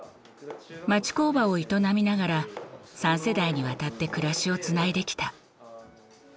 町工場を営みながら３世代にわたって暮らしをつないできた。